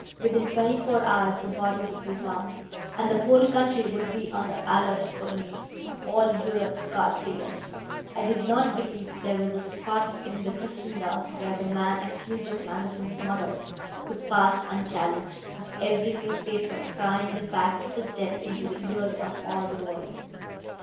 Within twenty four hours the body would be found, and the whole country would be on the alert for me all Europe scarcely less; I did not believe there was a spot in Christendom where the man accused of Manderson's murder could pass unchallenged, with every newspaper crying the fact of his death into the ears of all the world.